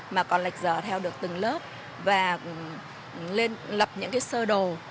mà còn lệch giờ theo được từng lớp và lập những sơ đồ